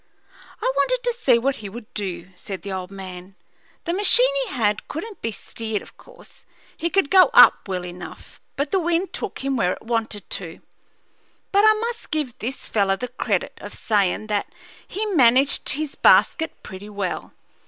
"I wanted to see what he would do," said the old man. "The machine he had couldn't be steered, of course. He could go up well enough, but the wind took him where it wanted to. But I must give this feller the credit of sayin' that he managed his basket pretty well.